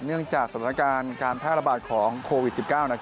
เนื่องจากสถานการณ์การแพร่ระบาดของโควิด๑๙